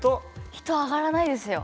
人上がらないですよ。